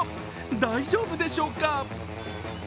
大丈夫でしょうか。